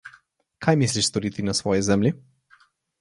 Kaj misliš storiti na svoji zemlji?